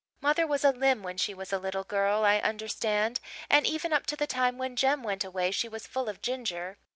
Mother was a limb when she was a little girl, I understand, and even up to the time when Jem went away she was full of ginger.